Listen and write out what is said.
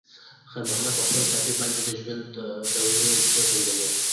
خیر محمد په خپلې صافې باندې د ژوند دوړې وڅنډلې.